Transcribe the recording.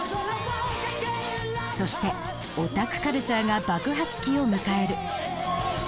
そしてオタクカルチャーが爆発期を迎える。